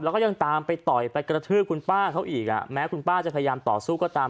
แล้วก็ยังตามไปต่อยไปกระทืบคุณป้าเขาอีกอ่ะแม้คุณป้าจะพยายามต่อสู้ก็ตาม